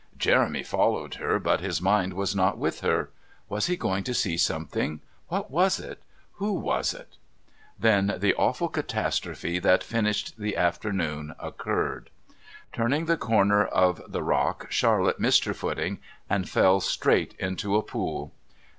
Jeremy followed her, but his mind was not with her. Was he going to see something? What was it? Who was it? Then the awful catastrophe that finished the afternoon occurred. Turning the corner of the rock, Charlotte missed her footing and fell straight into a pool.